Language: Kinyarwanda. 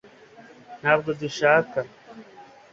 ntabwo dushaka